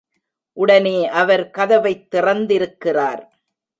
உடனே அவர் கதவைத் திறந்திருக்கிறார்.